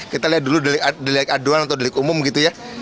kita lihat dulu delik aduan atau delik umum gitu ya